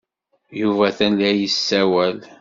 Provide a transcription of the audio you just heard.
Yuba atan la yessawal.